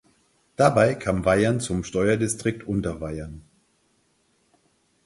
Dabei kam Weihern zum Steuerdistrikt Unterweihern.